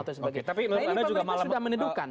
tapi menurut anda juga malah